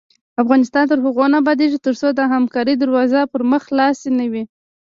افغانستان تر هغو نه ابادیږي، ترڅو د همکارۍ دروازې پر مخ خلاصې نه وي.